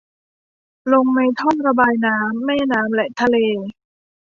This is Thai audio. ลงในท่อระบายน้ำ แม่น้ำ และทะเล